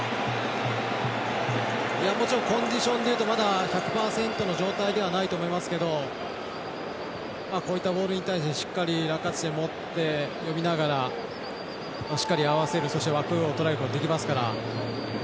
もちろんコンディションでいうとまだ、１００％の状態ではないと思いますけどこういったボールに対してしっかり落下地点を読みながらしっかり合わせる枠を捉えることができますから。